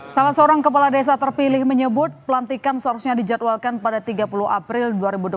salah seorang kepala desa terpilih menyebut pelantikan seharusnya dijadwalkan pada tiga puluh april dua ribu delapan belas